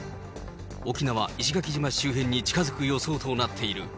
沖縄・石垣島周辺に近づく予想となっている。